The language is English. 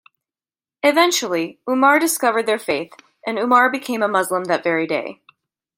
Eventually, Umar discovered their faith, and Umar became a Muslim that very day.